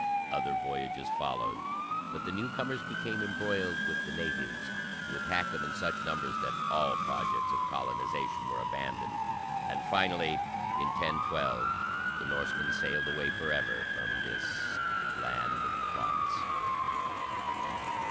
Other voyages followed, but the newcomers became embroiled with the natives, who attacked them in such numbers that all projects of colonization were abandoned; and finally, in 1012, the Norsemen sailed away forever from this land of promise.